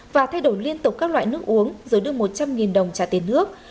và thay đổi liên tục các loại nước uống rồi đưa một trăm linh đồng trả tiền nước